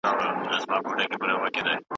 مګر واوره ګرانه دوسته! زه چي مینه درکومه